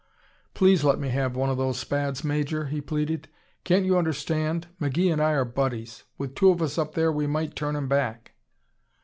"Please let me have one of those Spads, Major," he pleaded. "Can't you understand McGee and I are buddies. With two of us up there we might turn 'em back."